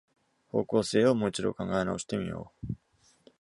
方向性をもう一度考え直してみよう